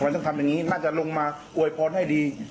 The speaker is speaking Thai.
มันต้องทำอย่างนี้น่าจะลงมาอวยพรให้ดี